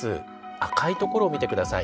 赤いところを見て下さい。